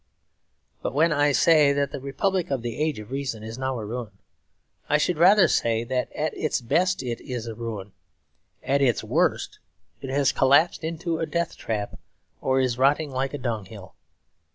But when I say that the Republic of the Age of Reason is now a ruin, I should rather say that at its best it is a ruin. At its worst it has collapsed into a death trap or is rotting like a dunghill.